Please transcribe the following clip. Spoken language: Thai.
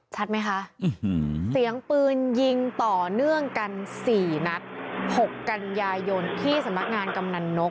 ชัดไหมคะ